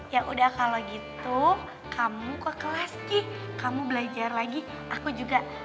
ya udah kalau gitu kamu kok kelas ki kamu belajar lagi aku juga